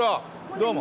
どうも。